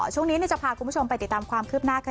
ช่วงนี้จะพาคุณผู้ชมไปติดตามความคืบหน้าค่ะ